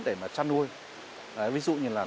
để mà chăn nuôi ví dụ như là